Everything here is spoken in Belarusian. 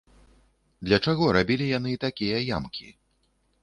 Для чаго рабілі яны такія ямкі?